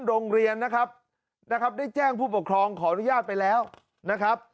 โรงเรียนนะครับนะครับได้แจ้งผู้ปกครองขออนุญาตไปแล้วนะครับ